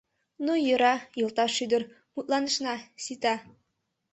— Ну йӧра, йолташ ӱдыр, мутланышна, сита.